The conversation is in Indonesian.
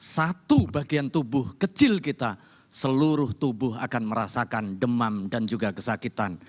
satu bagian tubuh kecil kita seluruh tubuh akan merasakan demam dan juga kesakitan